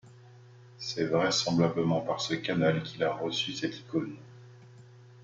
C'est vraisemblablement par ce canal qu'il a reçu cette icône.